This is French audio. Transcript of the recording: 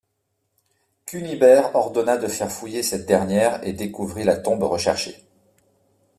Cunibert ordonna de faire fouiller cette dernière et découvrit la tombe recherchée.